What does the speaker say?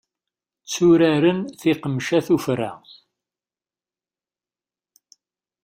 Tturaren tiqemca tufra.